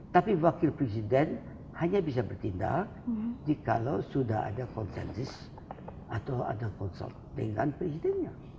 tapi wakil presiden hanya bisa bertindak jikalau sudah ada konsensus atau ada konsult dengan presidennya